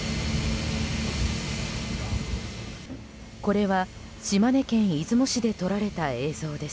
これは島根県出雲市で撮られた映像です。